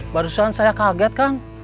baru saja saya kaget kang